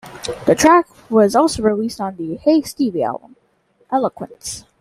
The track also was released on the Hey Stevie album, "Eloquence".